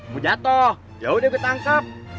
lu jatoh ya udah gue tangkep